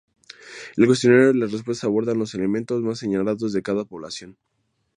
El cuestionario y las respuestas abordan los elementos más señalados de cada población.